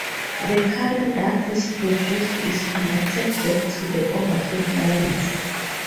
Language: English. The current that is produced is conducted back to the overhead lines.